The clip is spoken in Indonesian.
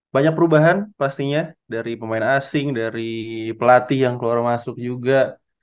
banyak perubahan pastinya dari pemain asing dari pelatih yang keluar masuk juga